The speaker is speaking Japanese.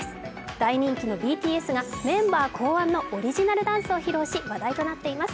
大人気のＢＴＳがメンバー考案のオリジナルダンスを披露し、話題となっています。